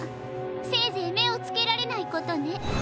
せいぜいめをつけられないことね。